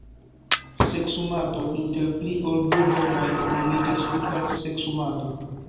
Seksumado inter pli ol du homoj nomiĝas grupa seksumado.